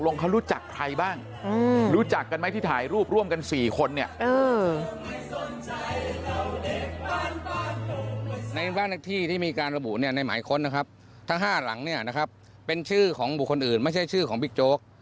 ในบ้านนักที่ที่มีการระบุในหมายค้นนะครับทั้ง๕หลังเป็นชื่อของบุคคลอื่นไม่ใช่ชื่อของบิ๊กโจ๊ก